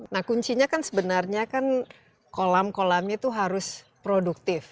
nah kuncinya kan sebenarnya kan kolam kolamnya itu harus produktif